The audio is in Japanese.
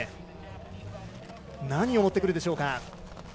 何を持ってくるでしょうか。